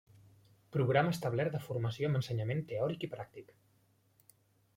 Programa establert de formació amb ensenyament teòric i pràctic.